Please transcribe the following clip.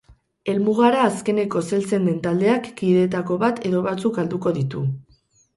Helmugara azkenekoz heltzen den taldeak kideetako bat edo batzuk galduko ditu.